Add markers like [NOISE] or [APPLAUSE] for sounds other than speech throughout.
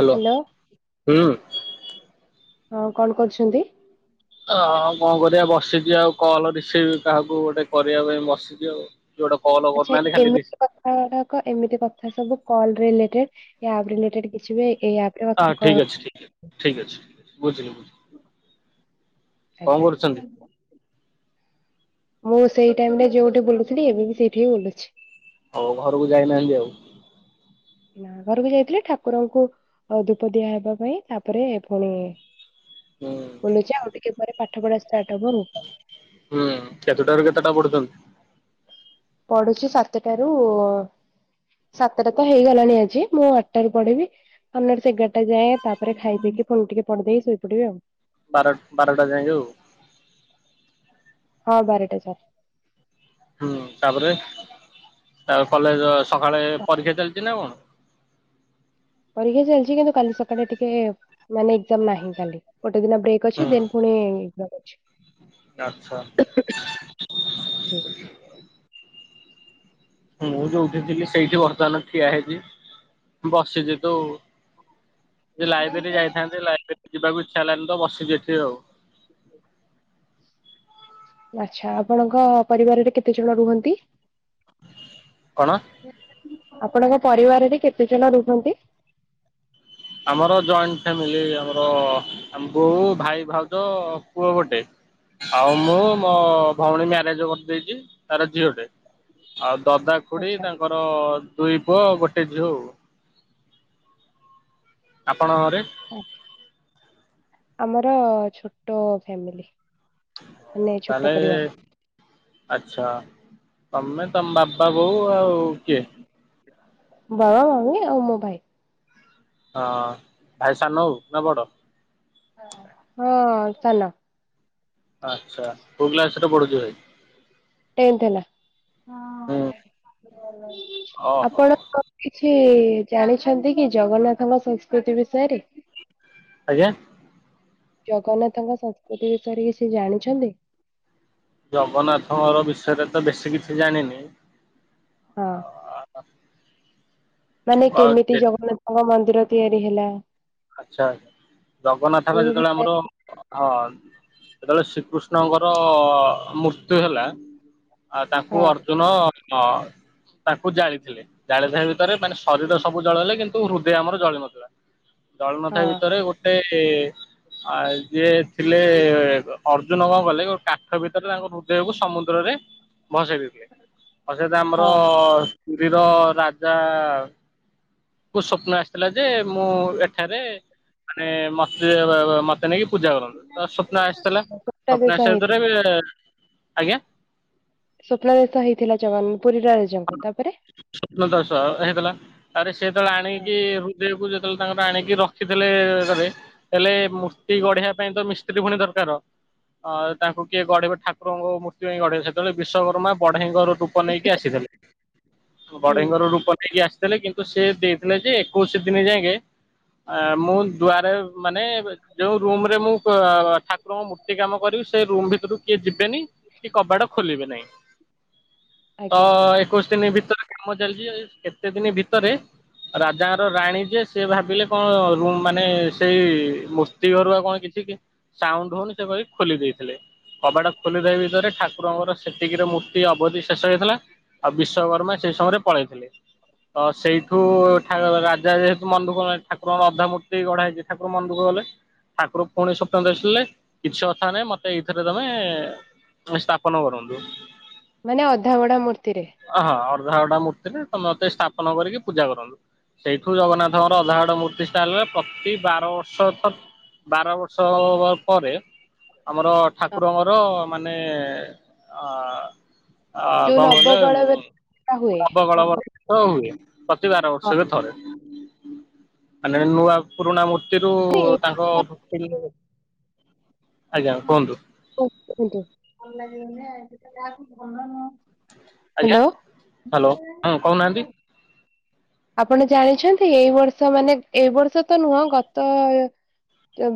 Hello hello ହୁଁ। ହଁ କଣ କରୁଛନ୍ତି? ହଁ କଣ କରିବା ବସିଛିି ଆଉ କଲ ରିଷେଇ କାହାକୁ ଗୋଟେ କରିବା ପାଇଁ ବସିଛିି ଆଉ। କିଏ ଗୋଟେ କଲ ଆଚ୍ଛା କରୁନାହାନ୍ତି ଖାଲି ରିସି ଏମିତି କଥା ଗୁଡାକ ଏମିତି କଥା ସବୁ କଲ [UNINTELLIGIBLE] କଥା ହଁ କ ଠିକ ଅଛି ଠିକ ଅଛି ଠିକ ଅଛି ଅ ବୁଝିଲି। ବୁଝିଲି ହଁ। କଣ ଆଜ୍ଞା। କରୁଛନ୍ତି? ମୁଁ ସେଇ ଟାଇମ ରେ ଯୋଉଠି ବୋଲୁଥିଲି ଏବେ ବି ସେଇଠି ହି ବୁଲୁଛି। ହଉ ଘରକୁ ଯାଇନାହାନ୍ତି ଆଉ? ନା ଘରକୁ ଯାଇଥିଲେ ଠାକୁରଙ୍କୁ ଧୂପ ଦିଆହବା ପାଇଁ ତାପରେ ପୁଣି ହୁଁ ବୁଲୁଚ ଆଉ ଟିକେ ପରେ ପାଠ ପଢା ଷ୍ଟାର୍ଟ ହବ ଆଉ। ହୁଁ କେତେଟାରୁ କେତେଟା ପଡୁଛନ୍ତି? ପଢୁଛି ସାତଟାରୁ ସାତଟା ତ ହେଇଗଲାଣି ଆଜି ମୁଁ ଆଠଟ ରାରୁ ପଢିବି ଆପର ସେ ଏଗାରଟା ଯାଏଁ ତାପରେ ଖାଇ ପିଇ ଟିକେ ଫୋ ଟିକେ ପଢଦେଇି ଶୋଇ ପଡେ ଆଉ। ବାର ବାରଟା ଯାଏ ହଉ। ହଁ ବାରଟା ସାର। ହୁଁ ତାପରେ ତାପ କଲେଜ ସକାଳେ ପରୀକ୍ଷା ଚାଲିଛି ନା କଣ? ପରୀକ୍ଷା ଚାଲିଛି କିନ୍ତୁ କାଲି ସକାଳେ ଟିକେ ମାନେ ଏକଦମ ନାହିଁ କାଲି। ଗୋଟେ ଦିନ ବ୍ରେକ୍ ଅଛି ହୁଁ ଦେନ୍ ପୁଣି ଯାମ ଅଛି। ଆଚ୍ଛା ହୁଁ ମୁଁ ଯୋଉଠିଥିଲ କି ସେଇଠି ବର୍ତ୍ତମାନ ଠିଆ ହେଇଛି। ବସିଛି ତୁ ଲାଇବ୍ରେରୀ ଯାଇଥାନ୍ତେ ଲାଇବ୍ରେରୀ ଯିବାକୁ ଇଛା ହେଲାଣିି ତ ବସିଛି ଏଠି ଆଉ। ଆଚ୍ଛା ଆପଣଙ୍କ ପରିବାରରେ କେତେ ଜଣ ରୁହନ୍ତି? କଣ ଆପଣଙ୍କ ପରିବାରରେ କେତେ ଜଣ ରୁହନ୍ତି? ଆମର ଜଏଣ୍ଟ ଫ୍ୟାମିଲି ଆମର ଅ ବୋଉ ଭାଇ ଭାଉଜ ପୁଅ ଗୋଟେ। ଆଉ ମୁଁ ମୋ ଭଉଣୀ ମ୍ୟାରେଜ କରିଦେଇଛି ତାର ଝିଅ ଟେ ଆଉ। ଦଦା ଖୁଡି ଆଚ୍ଛା ତାଙ୍କର ଦୁଇ ପୁଅ ଗୋଟେ ଝିଅ। ଘରେ ଆମର ଛୋଟ ଫ୍ୟାମିଲି। ମାନେ ଛୋଟ ତାହଲେ ପରିବାର। ଆଛା। ତମେ ତମ ବାବା ବୋଉ ଆଉ କିଏ? ବାବା ମମି ଆଉ ମୋ ଭାଇ। ହଁ ଭାଇ ସାନ ହଉ ନା ବଡ। ହଁ ସାନ। ଆଚ୍ଛା କୋଉ କ୍ଲାସରେ ପଢୁଛ ଭାଇ? ଟେନ୍ଥ ହେଲା। ହୁଁ ହଁ [UNINTELLIGIBLE] ଓହୋ ଆପଣ କିଛି ଜାଣିଛନ୍ତି କି ଜଗନ୍ନାଥଙ୍କ ସଂସ୍କୃତି ବିଷୟରେ ଆା ଜଗନ୍ନାଥଙ୍କ ସଂସ୍କୃତି ବିଷୟରେ କିଛି ଜାଣିଛନ୍ତି? ଜଗନ୍ନାଥଙ୍କର ବିଷୟରେ ତ ବେଶୀ କିଛି ଜାଣିନି। ହଁ। ଅଫ ମାନେ କେମିତି ଜଗନ୍ନାଥଙ୍କ ମନ୍ଦିର ତିଆରି ହେଲା? ଆଛା ଜଗନ୍ନାଥଙ୍କ ଏଇ ଯେତେବେଳେ ଗୋଟେ ଆମର ହଁ। ଯେତେବେଳେ ଶ୍ରୀକୃଷ୍ଣଙ୍କର ମୃତ୍ୟୁ ହେଲା ଆ ହଁ ତାଙ୍କୁ ଅର୍ଜୁନ ଅ ତାଙ୍କୁ ଜାଳିଥିଲେ ଜାଳିଥିବା ଭିତରେ ମାନେ ଶରୀର ସବୁ ଜଳେଇଲେ କିନ୍ତୁ ହୃଦୟ ଆମର ଜଳି ନଥିଲା। ହ ଜଳୁ ନଥିବା ଭିତରେ ଗୋଟେ ଆ ଯିଏ ଥିଲେ ଅର୍ଜୁନ କଣ କଲେ ଗୋ କାଠ ଭିତରେ ତାଙ୍କ ହୃଦୟକୁ ସମୁଦ୍ରରେ ଭସେଇ ଦେଇ ଥିଲେ ଆଉ ସେଟା ଆମର ହଁ ପୁରୀର ରାଜାକୁ ସଵପ୍ନ ଆସିଥିଲା ଯେ ମୁଁ ଏ ଠାରେ ମାନେ ମସ୍ ମ ସେନକି ପୂଜା କରନ୍ତୁ ସ୍ଵପ୍ନ ଆସିଥିଲା ସ୍ୱପ୍ନା ସ୍ୱପ୍ନ ଦେଶ ଆସିବା ହେଇଥିଲେ ଭିତରେ ଆଜ୍ଞା। ସ୍ୱପ୍ନ ଦେଶ ହେଇଥିଲା ଯଉ ଆ ହ ସ୍ବପ୍ନ ଦାଶ ହେଇଗଥିଲା ଆରେ ତାପରେ ହଁ, ଆଣିକି ହୃଦୟକୁ ଯ ତାଙ୍କର ଆଣିକି ରଖିଥିଲେ ଘରେ ହେଲେ ମୂର୍ତ୍ତି ଗଢିବା ପାଇଁ ତ ମିସ୍ତ୍ରୀ ପୁଣି ଦରକାର ହଁ ତାଙ୍କୁ କିଏ ଗଢିବେ ଠାକୁରଙ୍କ ମୂର୍ତ୍ତି ପାଇଁ ଗଢେଇବ ସେତେବେଳେ ବିଶ୍ୱକର୍ମା ବଢେଇ ଙ୍କ ରୂପ ନେଇକି ଆସିଥିଲେ ହୁଁ ବଢ଼େଇଙ୍କ ର ରୂପ ନେଇ ନେଇକି ଆସିଥିଲେ କିନ୍ତୁ ସେ ଦେଇଥିଲେ ଯେ ଏକୋଇଶ ଦିନ ଯାଏଁକେ ମୁଁ ଦୁଆରେ ମାନେ ଯୋଉ ରୁମ ରେ ମୁଁ ଠାକୁରଙ୍କ ମୂର୍ତ୍ତି କାମ କରିବି ସେ ରୁମ୍ ଭିତରୁ କିଏ ଯିବେନି କି କବାଟ ଖୋଲିବେ ନାହିଁ ଆଜ୍ଞା ତ କେତେ ଦିନ ଭିତରେ କାମ ଚାଲିଛି କେତେ ଦିନ ଭିତରେ ରାଜାର ରାଣୀ ଯେ ସେ ଭାବିଲେ କଣ ରୁମ୍ ମାନେ ସେଇ ମୂର୍ତ୍ତି ଘରୁ ଆଉ କଣ କିଛି ସାଉଣ୍ଡ ହଉନି ସେ ଖୋଲି ଦେଇଥିଲେ କବାଟ ଖୋଲି ଦେଇ ଭିତରେ ଠାକୁରଙ୍କର ସେତିକିରେ ମୂର୍ତ୍ତି ଅବଧି ଶେଷ ହେଇଥିଲା ଆଉ ବିଶ୍ଵକର୍ମା ସେଇ ସମୟରେ ପଳେଇଥିଲେ ତ ସେଇଠୁ ଏଠାର ରାଜା ଯେହେତୁ ମନଦୁଃଖ ହେଲା ଠାକୁରଙ୍କର ଅଧା ମୂର୍ତ୍ତି ଗଢା ହେଇଛି ଠାକୁର ମନଦୁଃଖ କଲେ ଠାକୁର ପୁଣି ସ୍ୱପ୍ନାଦେଶ ଦେଲେ କିଛି କଥା ନାଇଁ ମୋତେ ଏଇଥିରେ ତମେ ସ୍ଥାପନ କରନ୍ତୁ ମାନେ ଅଧା ଗଢା ମୂର୍ତ୍ତି ହଁ ହଁ ଅଧା ଗଢା ମୂର୍ତ୍ତିରେ ତମେ ମୋତେ ସ୍ଥାପନ କରିକି ପୂଜା କରନ୍ତୁ ସେଇଠୁ ଜଗନ୍ନାଥଙ୍କର ଅଧା ଗଢା ମୂର୍ତ୍ତି [UNINTELLIGIBLE] ପ୍ରତି ବାର ବର୍ଷ ବାର ବର୍ଷ ପରେ ଆମର ହଁ, ଠାକୁରଙ୍କର ମାନେ ଆ ଆ କଣ ଯୋଉ କହିଲେ ନବକଳ ବେଲା ହୁଏ ନବ ନବକୋଳେବର ହୁଏ ପ୍ରତି ବାର ବର୍ଷ ହଁ ରେ ଥରେ ମାନେ ନୂଆ ପୁରୁଣା ମୂର୍ତ୍ତି ତେଣୁ ଆରେ ଏଇ ତାଙ୍କ ଆଜ୍ଞା କୁହନ୍ତୁ [UNINTELLIGIBLE] ହଁ ହଁ ଭଲ ଆଜ୍ଞା ଲାଗେ ହ୍ୟାଲୋ ହଁ ଭଲ କହୁନାହାନ୍ତି ହ୍ୟାଲୋ ଆପଣ ଜାଣିଛନ୍ତି ଏଇ ବର୍ଷ ମାନେ ଏଇ ବର୍ଷ ତ ନୁହଁ ଗତ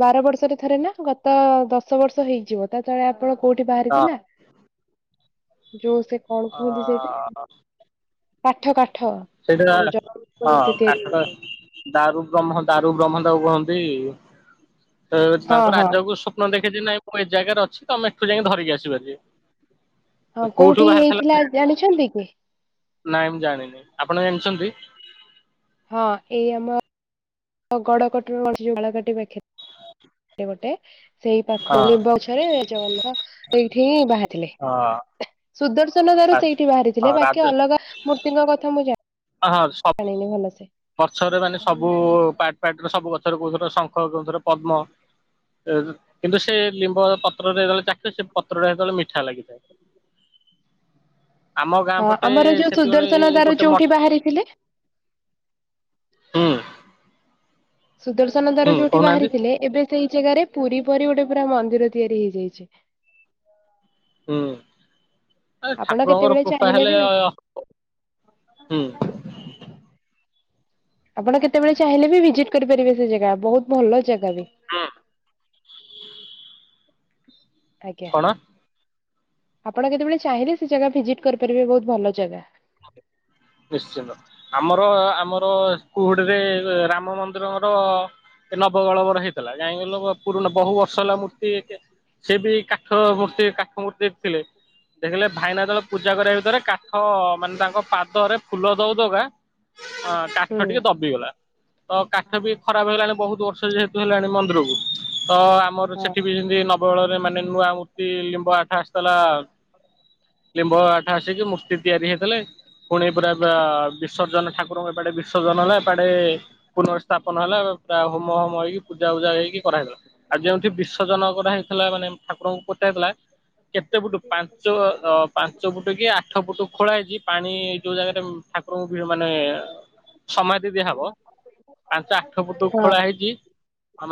ବାର ବର୍ଷରେ ଥରେ ନା ଗତ ଦଶ ବର୍ଷ ହେଇଯିବ ତା ତଳେ [UNINTELLIGIBLE] କୋଉଠି ହଁ ବାହାରିଥିଲା ଯୋଉ ସେ କଣ ଅ କୁହନ୍ତି ସେଇଟା କାଠ କାଠ ସେଇଟା ଯୋଉ [UNINTELLIGIBLE] ଜଗନ୍ନାଥ ହଁ ମୂର୍ତ୍ତି ତିଆରି କାଠ ହୁଏ। ଦାରୁ ବ୍ରହ୍ମ ଦାରୁ ବ୍ରହ୍ମ ତାକୁ କୁହନ୍ତି ତ ହଁ ତାଙ୍କ ହଁ ରାଜାକୁ ସ୍ୱପ୍ନ ଦେଖେ ଯେ ନାଇଁ ମୁଁ ଏ ଜାଗାରେ ଅଛି ତମେ ଏଠୁ ଯାଇକ ଧରିକି ଆସିବ ଆଜି ହଁ କୋଉଠି ହେଇଥିଲା ଜାଣିଛନ୍ତି କି? ନାଇଁ ମୁଁ ଜାଣିନି ଆପଣ ଜାଣିଛନ୍ତି? ହଁ ଏଇ ଆମ [UNINTELLIGIBLE] ଗୋଟେ ସେଇ ହଁ ପାଖ ନିମ୍ବ ଗଛରେ ଜଗନ୍ନାଥ ସେଇଠି ହିଁ ବାହାରି ହଁ ସୁଦର୍ଶନ ଦାରୁ ଆଚ୍ଛା ସେଇଠି ବାହାରିଥିଲେ ହଁ ବାକି ରାଜା ଅଲଗା ମୂର୍ତ୍ତିଙ୍କ କଥା ମୁଁ ଜାଣିି ଜାଣିିନି ଭଲସେ ପଛରେ ମାନେ ସବୁ ପାର୍ଟ ପାର୍ଟରେ ସବୁ ସବୁ ଗଛରୁ କୋଉଥିରେ ଶଙ୍ଖ କୋଉଥିରେ ପଦ୍ମ କିନ୍ତୁ ସେ ଲିମ୍ବ ପତ୍ର ଯେତେବେଳେ ଚାଖିବ ସେ ପତ୍ରଟା ସେତେବେଳେ ମିଠା ଲାଗିଥାଏ ଆମ ଗାଁ ହଁ ପଟେ ଆମର ଯୋଉ ସେତେବେଳେ ସୁଦର୍ଶନ ଦାରୁ ଗୋଟେ ମ ଯୋଉଠି ବାହାରିଥିଲେ ହୁଁ ସୁଦର୍ଶନ ଦାରୁ ହୁଁ ଯୋଉଠି କହୁନାହାନ୍ତି ବାହାରିଥିଲେ ଏବେ ସେଇ ଜାଗାରେ ପୁରୀ ପରି ଗୋଟେ ପୁରା ମନ୍ଦିର ତିଆରି ହେଇଯାଇଛି ହୁଁ ଆ ଆପଣ ଠାକୁରଙ୍କର କେତେବେଳେ କୃପା ଚାହିଁଲେ ହେଲେ ବି ହୁଁ ଆପଣ କେତେବେଳେ ଚାହିଁଲେ ବି ଭିଜିଟ କରିପାରିବେ ସେ ଜାଗା ବହୁତ ଭଲ ଜାଗା ବ [UNINTELLIGIBLE] ଆଜ୍ଞା କଣ ଆପଣ କେତେବେଳେ ଚାହିଁଲେ ସେ ଜାଗା ଭିଜିଟ୍ କରିପାରିବେ ବୋହୁତ ଭଲ ଜାଗା [INAUDIBLE] ନିଶ୍ଚିନ୍ତ ଆମର ଆମର କୁହୁଡିରେ ରାମ ମନ୍ଦିରର ନବକଳେବର ହେଇଥିଲା କାଇଁକ ପୁରୁଣା ବହୁ ବର୍ଷ ହେଲା ମୂର୍ତ୍ତି ସେ ବି କା କାଠ ମୂର୍ତ୍ତି କାଠ ମୂର୍ତ୍ତି ଥିଲେ ଦେଖିଲେ ଭାଇନା ପୂଜା କରିବା ଭିତରେ କାଠ ମାନେ ତାଙ୍କ ପାଦରେ ଫୁଲ ଦଉ ଦବା ହୁଁ କାଠ ଟିକେ ଦବିଗଲା। ତ କାଠ ବି ଖରାପ ହେଇଗଲାଣି ବୋହୁତ ବର୍ଷ ଯେହେତୁ ହେଲାଣି ମନ୍ଦିରକୁ। ତ ଆମର ହଁ। ସେଠି ବି ଯେମିତି ନବକଳେବର ମାନେ ନୂଆ ମୂର୍ତ୍ତି ଲିମ୍ବ ଆ ତାଲା ଲିମ୍ବ କାଠ ଆସିଛି ମୂର୍ତ୍ତି ତିଆରି ହେ ପୁଣି ପୁରା ବିସର୍ଜନ ଠାକୁରଙ୍କ ଏପଟେ ବିସର୍ଜନ ହେଲେ ଡେ ପୁନର୍ ସ୍ଥାପନ ହେଲା ପୁରା ହୋମ ହୋମ ହେଇକି ପୂଜା ଉଜା ହେଇକି କରାହଲା ଆଉ ଯେଉଠ ବିର୍ଷଜନ କରାଯାଇଥିଲା ମାନେ ଠାରଙ୍କୁ କେତେ ଫୁଟୁ ପାଞ୍ଚ ପାଞ୍ଚ ଫୁଟ କି ଆଠ ଫୁଟ ଖୋଳା ହେଇ ପାଣି ଯୋଉ ଜାଗାାରେ ଠାକୁରଙ୍କୁ ବି ମାନେ ସମୟ ଦିଦି ହବ ପାଞ୍ଚ ଆଠ ଫୁଟ ହଁ ଖୋଳା ହେଇଚି।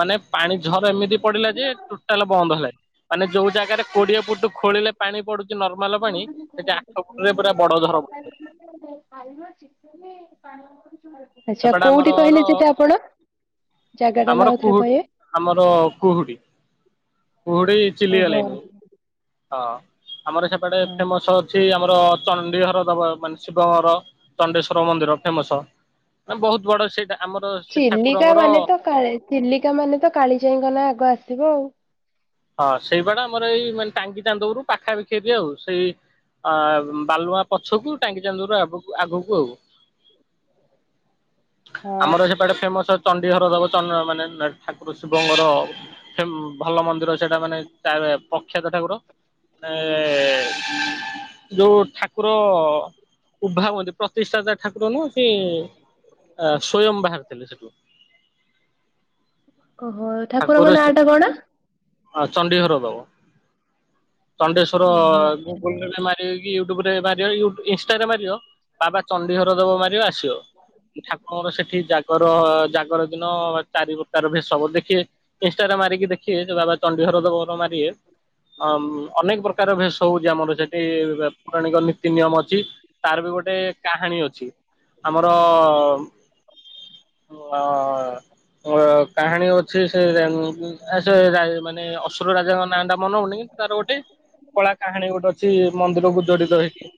ମାନେ ପାଣି ଝର ଏମିତି ପଡିଲା ଯେ ଟୋଟାଲ ବନ୍ଦ ହେଲା ମାନେ ଯୋଉ ଜାଗାରେ କୋଡିଏ ଫୁଟ ଖୋଳି ପାଣି ପଡ଼ୁ ନର୍ମାଲ ପାଣି ସେଠି ଆଠ ବରେ ପୁରା ବଡ ଧର ବ ଆଚ୍ଛା କୋଉଠି କହିଲେ ସେଟା ଆପଣ? ଜାଗା ଟା ନା ଆମର ଆଉଥରେ କୁହୁ କହିବେ? ଆମର କୁହୁଡି କୁହୁଡି ଓହୋ ଚିଲଗଲେଣିି ହଁ। ଆମର ସେପଟେ ହଁ। ଫେମସ ଅଛି ଆମର ଚଣ୍ଡିଘର ଦବା ମାନେ ଶିବର ଚଣ୍ଡେଶ୍ଵର ମନ୍ଦିର ଫେମସ, ମାନେ ବହୁତ ବଡ ସେଇଟା ଆମର ସେ ଚିଲିକା ଠାକୁରଙ୍କର ମାନେ ତ କାଳୀ ଚିଲିକା ମାନେ ତ କାଳିଚାଇଙ୍କ ନା ଆଗ ଆସିବ ଆଉ। ହଁ ସେଇ ବାଡା ଆମର ଏଇ ମାନେ ଟାଙ୍ଗି ଚାନ୍ଦବରୁ ପାଖାପିଖିରି ଆଉ ସେଇ ଅ ବାଲୁଆଁ ପଛକୁ ଟାଙ୍ଗି ଚାନ୍ଦରୁ ଆଗକୁ ଆଗକୁ ଆଉ। ହଁ। ଆମର ସେପଟେ ଫେମସ ଅଛି। ଚଣ୍ଡିଘର ଦବ ମାନେ ଠାକୁର ଶିବଙ୍କର ଭଲ ମନ୍ଦିର। ସେଟା ମାନେ ପଖ୍ୟାତ ଠାକୁର ମାନେ ଯୋଉ ଠାକୁର ଉଭା ହନ୍ତି ପ୍ରତିଷ୍ଠାତା ଠାକୁର ନୁ ସ୍ଵୟଂ ବାହାରିଥିଲେ ସେଠୁ। ଓହୋ ଠାକୁରଙ୍କ ନାଁ ଟା କଣ? ଚଡିଶ୍ଵର ବାବୁ ଚଣ୍ଡେଶ୍ଵର ଓହୋ ଯୋ ଆଚ୍ଛା ୟୁଟ୍ୟୁବ୍ ମାର ଇନଷ୍ଟରେ ମାରିବ ବାବା ଚଣ୍ଡିଘର ଦବ ମାରିବା ସିଅର୍ ଠାକୁରଙ୍କର ସେଠି ଜାଗ ଙ୍କର ଜାଗର ଦିନ ଚାରି ପ୍ର ତାର ଭେ ହବର ଦେଖିବେ ଇନଷ୍ଟାଗ୍ରାାମ ମାରିକି ଦେଖିବେ ବାବା ତଣ୍ଡଡି ଘର ତ ଗହୁର ମାରି ଅନେକ ପ୍ରକାର ଭେଷ ହଉଚି ଆମର ସେଠି ପୌରାଣିକ ନୀତି ନିୟମ ଅଛି ତାର ବି ଗୋଟେ କାହାଣୀ ଅଛି ଆମର ଓ ହ କାହାଣୀ ଅଛି ସେ ସେ ମ ମାନେ ଅସୁର ରାଜାଙ୍କ ନା ଟା ମାନେ ପଡୁନି କିନ୍ତୁ ତାର ଗୋଟେ କଳା କାହାଣୀ ଗୋଟେ ଅଛି, ମନ୍ଦିରକୁ ଜଡିତ ହେଇକି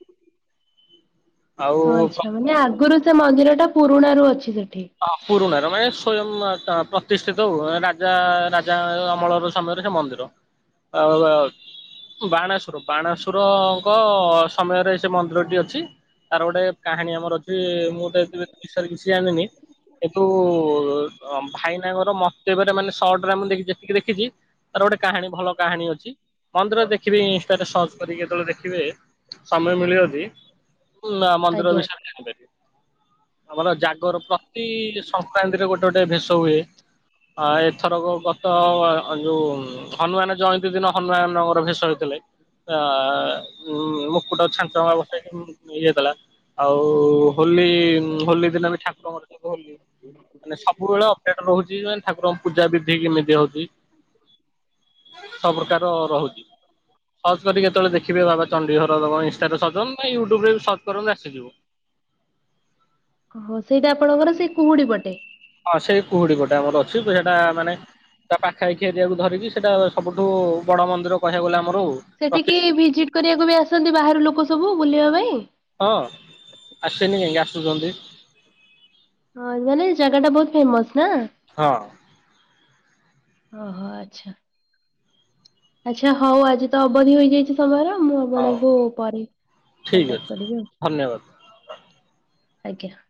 ଆଉ ଆଚ୍ଛା ମାନେ ଆଗରୁ ସେ ମନ୍ଦିର ଟା ପୁରୁଣା ରୁ ଅଛି ସେଠ ହଁ ପୁରରୁଣ। ମାନେ ସ୍ଵୟଂ ପ୍ରତିଷ୍ଠିତ ହଉ ରାଜା ରାଜା ଅମଳର ସମୟରେ ସେ ମନ୍ଦିର। ଆଉ ବାଣେଶ୍ୱର ବାଣେଶ୍ୱର ଙ୍କ ସମୟରେ ସେ ମନ୍ଦିର ଟି ଅଛି। ତାର ଗୋଟେ କାହାଣୀ ଆମର ଅଛି ମୁଁ ତ ଏ ବିଷୟରେ କିଛି ଜାଣିନି। ଏଠୁ ଭାଇନାଙ୍କର ମତବରେ ମାନେ ସଟ ମୁଁଖଛିତିକି ଦେଖିଛି ତାର ଗୋଟେ କାହାଣୀ ଭଲ କାହାଣୀ ଅଛି। ମ ତା ଦେଖିବି ଇନଷ୍ଟରେ ସର୍ଚ୍ଚ କରିକି କେତେବେଳେ ଦେଖିବେ, ସମୟ ମିଳିବ ଯଦି ନା ମନ୍ଦିର ଆଜ୍ଞା ବିଷୟ ରେ ଜାଣିପାରିବେ, ଆମର ଜାଗର ସଂକ୍ରାନ୍ତିରେ ଗୋଟେ ଗୋଟେ ଭେଷ ହୁଏ। ଆ ଏଥରକ ଗତ ଯୋଉ ହନୁମାନ ଜୟନ୍ତୀ ଦିନ ହନୁମାନଙ୍କର ଭେଷ ହେଇଥିଲେ। ଆ ଆ ଆ ମୁକୁଟ ଛାଞ୍ଚ ଆଉ ସିଏ ଇଏ କଲା। ଆଉ ହୋଲି, ହୋଲି ଦିନ ବି ଠାକୁରଙ୍କର ସବୁ ମାନେ ସବୁବେଳେ ଅପେଟ ରହୁଛି ମାନେ ଠାକୁରଙ୍କ ପୂଜା ବିଧି କେମିତି ହଉଛି? [INAUDIBLE] ସବୁ ପ୍ରକାର ରହୁଛି, ସର୍ଚ କରିକି କେତେବେଳେ ଦେଖିବେ ବାବା ଚଣ୍ଡୀ। ଇନଷ୍ଟା ରେ ସର୍ଚ୍ଚ ନ ୟୁ ଟ୍ୟୁବ୍ ବି ସଅର୍ଚ କରନ୍ତୁ ଆସିଯିବ। ଓହୋ, ସେଇଟା ଆପଣ କୁହୁଡି ପଟେ। ହଁ ସେଇ କୁହୁଡି ଗୋଟେ ଆମର ଅଛି, ସେଟା ମାନେ ତା ପାଖା ଆଇଖିଆ ଏରିଆକୁ ଧରିକି ସେଇଟା ସବୁଠୁ ବଡ ମନ୍ଦିର କହିବାକୁ ଗଲେ ଆମର ଆଉ। ସେଠିକି ପ୍ରତିଷ୍ଠା ଭିଜିଟ କରିବାକୁ ବି ଆସନ୍ତି ବାହାର ଲୋକ ସବୁ ବୁଲିବା ପାଇଁ? ହଁ ଆସିନି ଆସୁଛନ୍ତି। ହଁ ମାନେ ଜାଗା ଟା ବହୁତ ଫେମସ ନା। ଓ ହଁ ହୋ ଆଛା। ଆଚ୍ଛା ହଉ ଆଜି ତ ଅବଧି ହେଇଯାଇଛି ସମୟର ମୁଁ ହଉ ଆପଣଙ୍କୁ ପରେ ଠିକ୍ କଣ୍ଟାକ୍ଟ ଅଛି କରିବି ଆଉ। ଧନ୍ୟବାଦ ଆଜ୍ଞା।